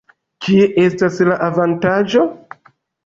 Kie estas la avantaĝo?